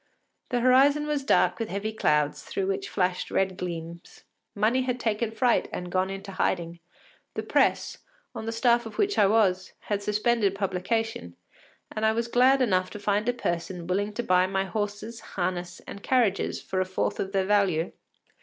The horizon was dark with heavy clouds, through which flashed red gleams. Money had taken fright and gone into hiding; the Presse, on the staff of which I was, had suspended publication, and I was glad enough to find a person willing to buy my horses, harness, and carriages for a fourth of their value.